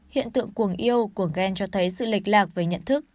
hiện tượng cuồng yêu cuồng ghen cho thấy sự lệch lạc về nhận thức